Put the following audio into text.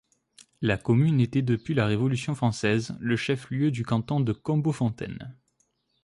La commune était depuis la Révolution française le chef-lieu du canton de Combeaufontaine.